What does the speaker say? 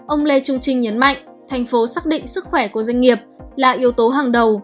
ông lê trung trinh nhấn mạnh thành phố xác định sức khỏe của doanh nghiệp là yếu tố hàng đầu